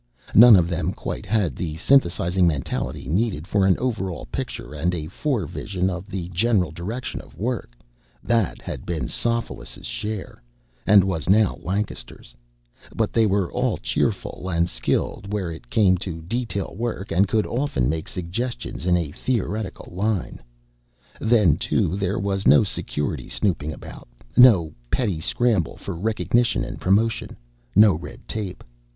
None of them quite had the synthesizing mentality needed for an overall picture and a fore vision of the general direction of work that had been Sophoulis' share, and was now Lancaster's but they were all cheerful and skilled where it came to detail work and could often make suggestions in a theoretical line. Then, too, there was no Security snooping about, no petty scramble for recognition and promotion, no red tape.